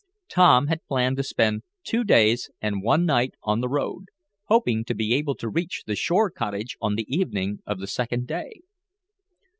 Tom had planned to spend two days and one night on the road, hoping to be able to reach the shore cottage on the evening of the second day.